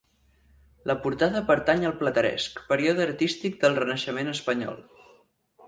La portada pertany al Plateresc, període artístic del Renaixement espanyol.